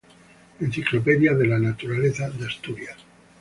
Enciclopedia de la Naturaleza de Asturias.